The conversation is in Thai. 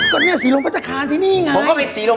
ก็เนี้ยสีโรมพันธการที่นี่ไงผมก็ไปสีโรม